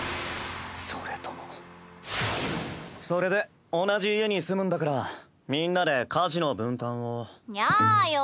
それともそれで同じ家に住むんだからみんなで家事の分担を。やよ。